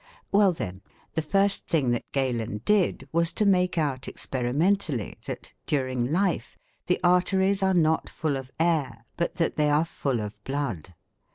Well then, the first thing that Galen did was to make out experimentally that, during life, the arteries are not full of air, but that they are full of blood.